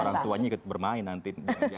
orang tuanya ikut bermain nanti